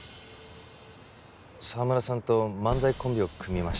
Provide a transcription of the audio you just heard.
澤村さんと漫才コンビを組みまして。